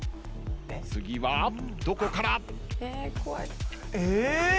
次はどこから？